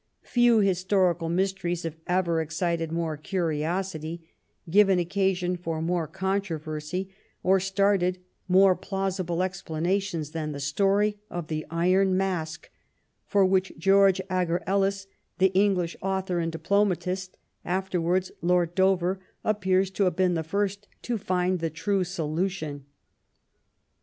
Few historical mvsteries have ever excited more curi osity, given occasion for more controversy, or started more plausible explanations than the story of the Iron Mask, for which George Agar Ellis, the English author and diplomatist, afterwards Lord Dover, appears to have been the first to find the true solution.